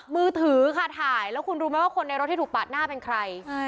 มือถือค่ะถ่ายแล้วคุณรู้ไหมว่าคนในรถที่ถูกปาดหน้าเป็นใคร